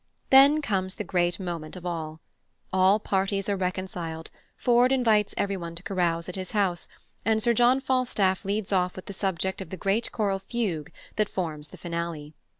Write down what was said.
Then comes the great moment of all. All parties are reconciled; Ford invites everyone to carouse at his house, and Sir John Falstaff leads off with the subject of the great choral fugue that forms the finale.